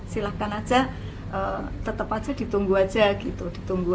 silahkan aja tetap aja ditunggu aja gitu ditunggu